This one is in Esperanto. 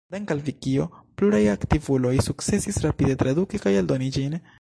Dank'al Vikio, pluraj aktivuloj sukcesis rapide traduki kaj eldoni ĝin.